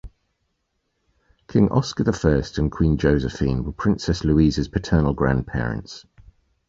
King Oscar I and Queen Josephine were Princess Louise's paternal grandparents.